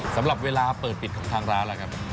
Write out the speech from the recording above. สำหรับเวลาเปิดปิดของทางร้านล่ะครับ